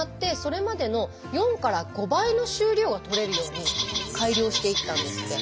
それまでの４から５倍の収量がとれるように改良していったんですって。